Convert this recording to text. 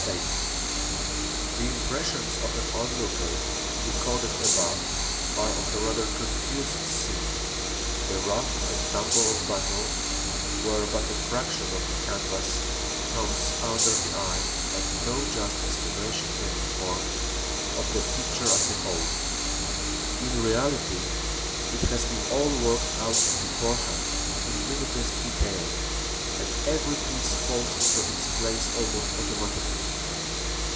8 THE impressions of an onlooker recorded above are of a rather confused scene, the rough and tumble of battle, where but a fraction of the canvas comes under the eye and no just estimation can be formed of the picture as a whole. In reality it has been all worked out beforehand in minutest detail and every piece falls into its place almost automatically.